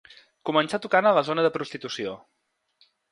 Començà tocant a la zona de prostitució.